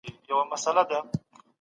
يوه ټولنه پيدا کيږي او بيا مري.